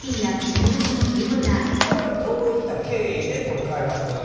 これはどういった経緯でこういう開発されたんですか？